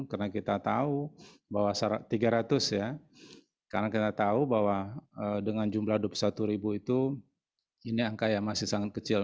karena kita tahu bahwa tiga ratus ya karena kita tahu bahwa dengan jumlah dua puluh satu ribu itu ini angka ya masih sangat kecil